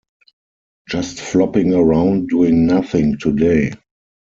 Just flopping around doing nothing today.